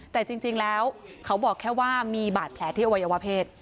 แต่จริงแล้วเขาบอกแค่ว่ามีบาดแผลที่อวัยวะเพศ